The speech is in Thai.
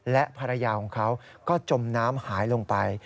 และภรรยาของเขาก็จมน้ำหายลงไป